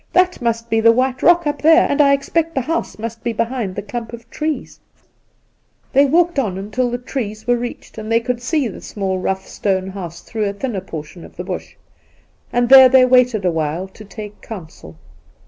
That must be the White Rock up there, and I expect the house must be behind the clump of trees.' 6 82 Induna Nairn They walked on until the trees were reached and they could see the small rough stone house through a thinner portion of the Bush, and there they waited awhile to take counsel.